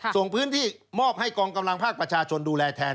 ส่งพื้นที่มอบให้กองกำลังภาคประชาชนดูแลแทน